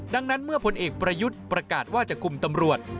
ดังนั้นเมื่อผลเอกประยุทธ์ประกาศว่าจะคุมตำรวจ